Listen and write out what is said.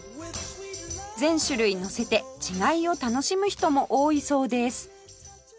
全種類のせて違いを楽しむ人も多いそうです